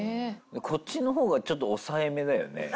こっちの方がちょっと抑えめだよね。